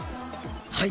はい！